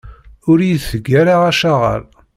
Ur iyi-teg ara acaɣal.